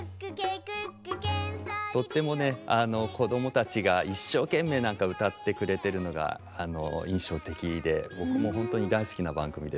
とってもね子供たちが一生懸命歌ってくれてるのが印象的で僕も本当に大好きな番組です。